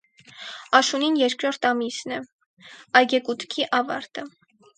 Աշունին երկրորդ ամիսն է, այգեկութքի աւարտը։